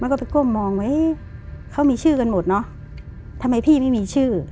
แล้วก็ไปก้มมองไว้เขามีชื่อกันหมดเนอะทำไมพี่ไม่มีชื่อ